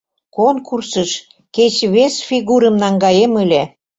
Конкурсыш кеч вес фигурым наҥгаем ыле...